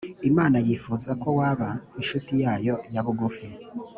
imana yifuza ko waba incuti yayo ya bugufi.